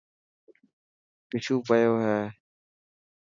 ششو پيو هي.